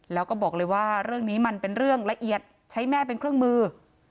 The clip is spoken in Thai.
แล้วก็บอกเลยว่าเรื่องนี้มันเป็นเรื่องละเอียดใช้แม่เป็นเครื่องมือ